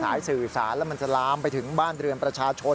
สายสื่อสารแล้วมันจะลามไปถึงบ้านเรือนประชาชน